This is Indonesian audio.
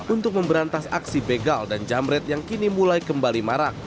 untuk memberantas aksi begal dan jamret yang kini mulai kembali marak